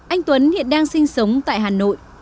anh tuấn hiện đang sinh sống tại hà nội